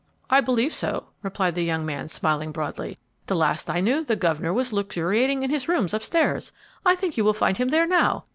"I believe so," replied the young man, smiling broadly; "the last I knew, the governor was luxuriating in his rooms up stairs; I think you will find him there now.